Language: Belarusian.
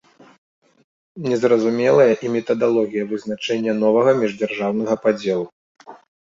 Не зразумелая і метадалогія вызначэння новага міждзяржаўнага падзелу.